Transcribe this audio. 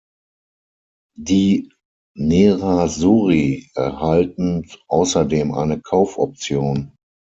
Die "Nerazzurri" erhalten außerdem eine Kaufoption.